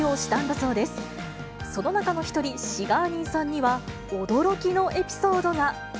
その中の１人、シガーニーさんには、驚きのエピソードが。